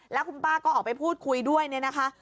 แล้วคุณป้าก็ออกไปพูดคุยด้วยเนี่ยนะคะ